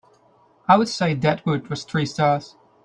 I would say Dead Wood was three stars